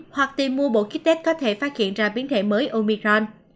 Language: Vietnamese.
hoặc tìm mua bộ kích test có thể phát hiện ra biến thể mới omicron